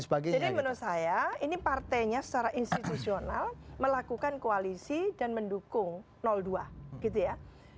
jadi menurut saya ini partainya secara institusional melakukan koalisi dan mendukung dua gitu ya